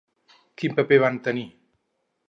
Quin paper van tenir?